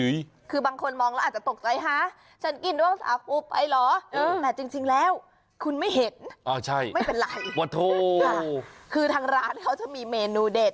ดึงคือบางคนมองแล้วอาจจะตกใจฮ่าฉันกินดวงสาครุไปหรอท่านจริงแล้วคุณไม่เห็นอ้าวใช่ไม่เป็นไรเถอะคือทางร้านเขาจะมีเมนูเด็ด